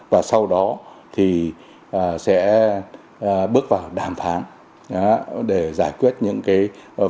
và sau đó thì sẽ bước vào đàm phán để giải quyết những cái